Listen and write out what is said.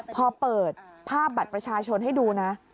พอเปิดภาพบัตรประชาชนให้ดูนะ